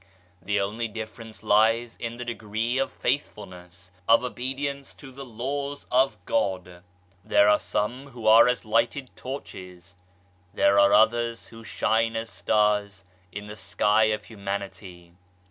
The only difference lies in the degree of faithfulness, of obedience to the Laws of God. There are some who are as lighted torches, there are others who shine as stars in the sky of Humanity.